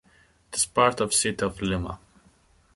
It is part of city of Lima.